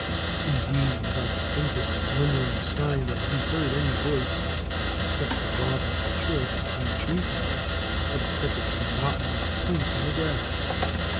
Indeed, without the faintest, glim mering sign that he heard any voice, except the robin's chirrup in the tree top, or the cricket's monotonous plaint in the grass.